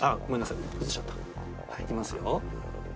いきますよ。